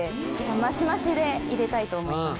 増し増しで入れたいと思います。